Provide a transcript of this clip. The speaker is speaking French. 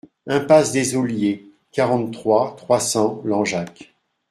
Impasse des Olliers, quarante-trois, trois cents Langeac